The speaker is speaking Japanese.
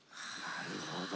なるほど。